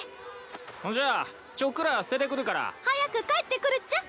じゃあちょっくら捨ててくるから。早く帰ってくるっちゃ。